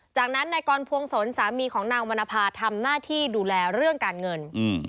จากนั้นนายกรพวงศลสามีของนางวรรณภาทำหน้าที่ดูแลเรื่องการเงิน